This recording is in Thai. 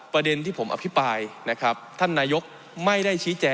เพราะมันก็มีเท่านี้นะเพราะมันก็มีเท่านี้นะ